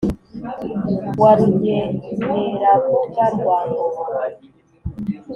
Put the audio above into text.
wa rugenerambuga rwa ngoboka